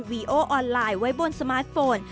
วีโอออนไลน์ไว้บนสมาร์ทโฟน